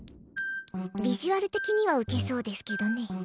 ビジュアル的には受けそうですけどね。